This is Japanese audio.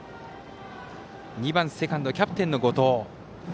２番セカンド、キャプテンの後藤。